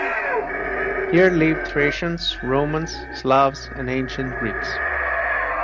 Here lived Thracians, Romans, Slavs, and Ancient Greeks.